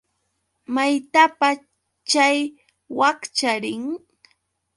¿Maytapa chay wakcha rin?